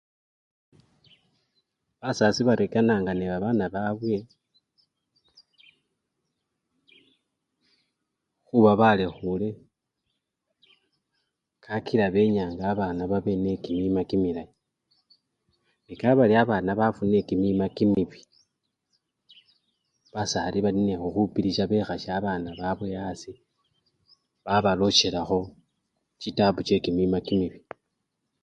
Basasi barekananga nebabana babwe khuba balekhule kakila benyanga babana babe nende kimima kimilay, nekaba bali omwna wafunile kimima kimibii, basasi bali nendekhukhupilisya bekhasa babana babwe asii babalosyelakho chitabu chekimima kimibii.